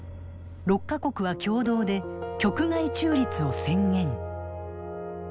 ６か国は共同で局外中立を宣言。